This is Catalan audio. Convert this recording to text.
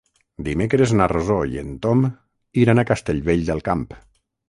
Dimecres na Rosó i en Tom iran a Castellvell del Camp.